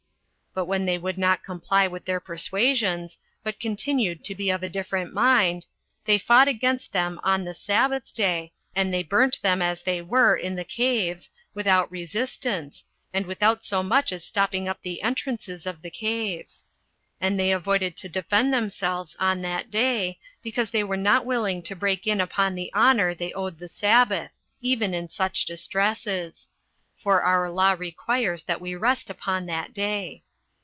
But when they would not comply with their persuasions, but continued to be of a different mind, they fought against them on the sabbath day, and they burnt them as they were in the caves, without resistance, and without so much as stopping up the entrances of the caves. And they avoided to defend themselves on that day, because they were not willing to break in upon the honor they owed the sabbath, even in such distresses; for our law requires that we rest upon that day.